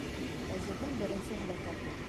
ВӘЗИРҘЕҢ БЕРЕНСЕ ҺӘЛӘКӘТЕ